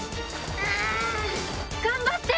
頑張って！